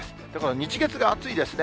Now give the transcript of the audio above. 日、月が暑いですね。